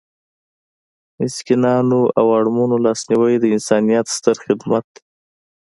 د مسکینانو او اړمنو لاسنیوی د انسانیت ستر خدمت دی.